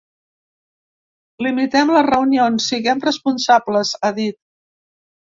Limitem les reunions, siguem responsables, ha dit.